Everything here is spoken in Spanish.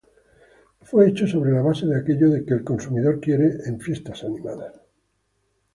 Fue hecho sobre la base de aquello que el consumidor quiere en fiestas animadas.